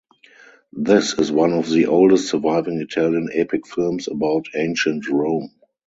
This is one of the oldest surviving Italian epic films about Ancient Rome.